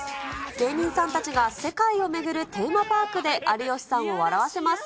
芸人さんたちが、世界を巡るテーマパークで有吉さんを笑わせます。